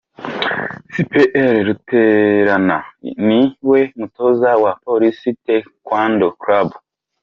Cpl Ruterana ni we Mutoza wa Police Taekwondo Club.